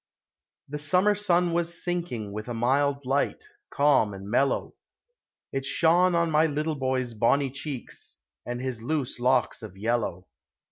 The summer sun was sinking With a mild light, calm and mellow ; It shone on my little hoy's bonnie cheeks, And his loose locks of yellow.